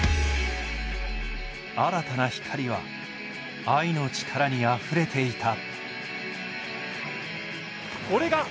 新たな光は愛の力にあふれていた。